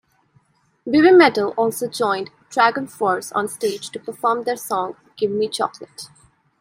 Babymetal also joined DragonForce on stage to perform their song "Gimme Chocolate!!".